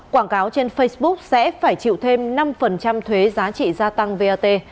quảng cáo trên facebook sẽ phải chịu thêm năm thuế giá trị gia tăng vat